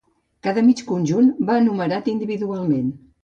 Cada mig conjunt va numerat individualment.